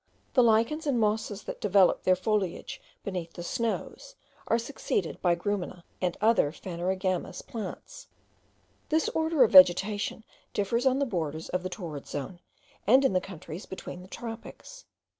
The lichens and mosses, that develop their foliage beneath the snows, are succeeded by grumina and other phanerogamous plants. This order of vegetation differs on the borders of the torrid zone, and in the countries between the tropics.